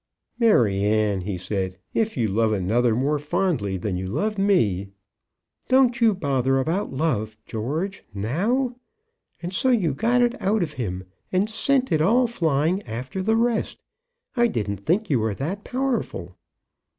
"Maryanne," he said, "if you love another more fondly than you love me " "Don't bother about love, George, now. And so you got it out of him and sent it all flying after the rest. I didn't think you were that powerful."